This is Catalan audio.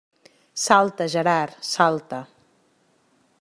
Salta, Gerard, salta!